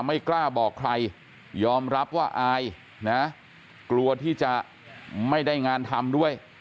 ไม่กล้าบอกใครยอมรับว่าอายนะกลัวที่จะไม่ได้งานทำด้วย